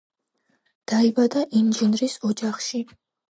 დაიბადა ინჟინრის ოჯახში.